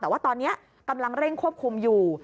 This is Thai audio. แต่ว่าตอนนี้กำลังเร่งควบคุมอยู่